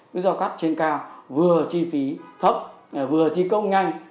cái giao cắt trên cao vừa chi phí thấp vừa thi công nhanh